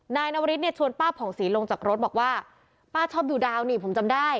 นายนวริสเนี่ยชวนป้าผ่องศรีลงจากรถบอกว่าป้าชอบดูดาวนี่ผมจำได้